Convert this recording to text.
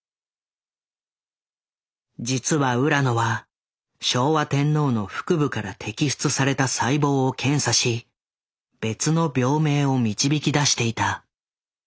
実は浦野は昭和天皇の腹部から摘出された細胞を検査し別の病名を導き出していた。